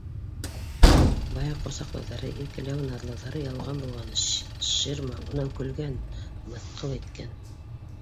Баяғы ҡосаҡлауҙары, иркәләү-наҙлауҙары ялған булған, ширма, унан көлгән, мыҫҡыл иткән